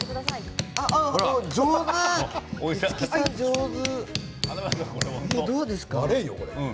五木さん、上手！